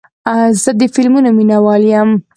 زه د فلمونو مینهوال یم.